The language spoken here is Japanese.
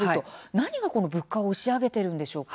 何が物価を押し上げているんですか？